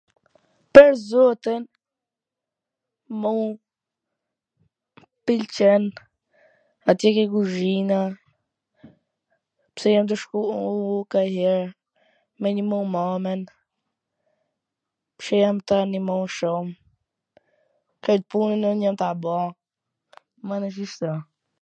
Pwr zotin, mu m pwlqen atje ke guzhina, pse jam tu shku nganjher me nimu mamwn, jam tu e nimu shum, kwt pun un jam ta bo, mana, shishto.